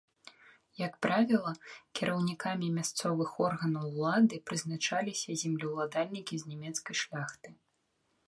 Як правіла, кіраўнікамі мясцовых органаў улады прызначаліся землеўладальнікі з нямецкай шляхты.